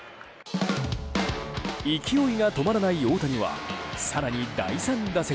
勢いが止まらない大谷は更に第３打席。